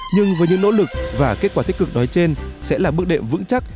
nhưng với những nỗ lực và kết quả tích cực nói trên sẽ là bước đệm vững chắc